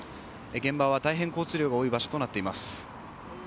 現場は大変交通量が多い場所となっています。